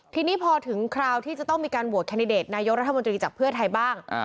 ทีนี้พอถึงคราวที่จะต้องมีการโหวตแคนดิเดตนายกรัฐมนตรีจากเพื่อไทยบ้าง